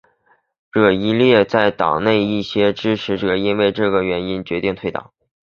惹耶勒南在党内的一些支持者因为这个原因决定退党。